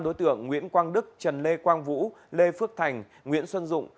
đối tượng nguyễn quang đức trần lê quang vũ lê phước thành nguyễn xuân dụng